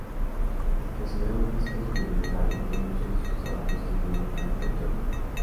Se considera un físico experimental, aunque muchos de sus trabajos tienen un carácter teórico.